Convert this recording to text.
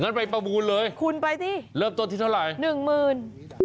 งั้นไปประมูลเลยเริ่มต้นที่เท่าไรคุณไปสิหนึ่งหมื่น